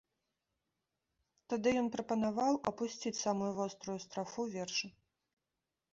Тады ён прапанаваў апусціць самую вострую страфу верша.